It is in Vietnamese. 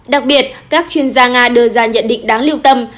đặc biệt các chuyên gia nga đưa ra nhận định đáng lưu tâm